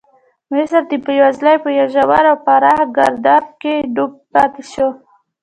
مصر د بېوزلۍ په یو ژور او پراخ ګرداب کې ډوب پاتې شو.